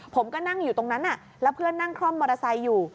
ผมก็นั่งอยู่ตรงนั้นแล้วเพื่อนนั่งคล่อมมอเตอร์ไซค์อยู่